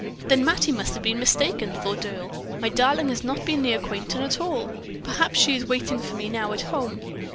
"Then Mattie must have been mistaken," thought Earle; "my darling has not been near Quainton at all; perhaps she is waiting for me now at home."